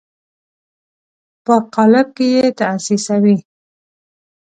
په قالب کې یې تاسیسوي.